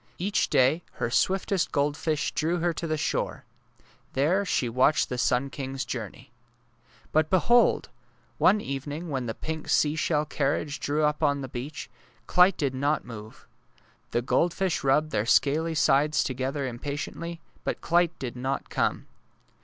Each day her swiftest goldfish drew her to the shore. There she watched the sim king's journey. But behold ! one evening when the pink sea shell carriage drew up on the beach, Clyte did not move. The goldfish rubbed their scaly sides together impatiently, but Clyte did not come.